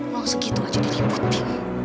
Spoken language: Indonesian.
uang segitu aja diributi